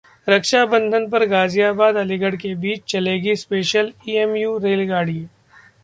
रक्षाबंधन पर गाजियाबाद-अलीगढ़ के बीच चलेगी स्पेशल ईएमयू रेलगाड़ी